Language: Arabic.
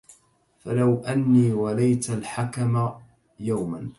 فلو أني وليت الحكم يوما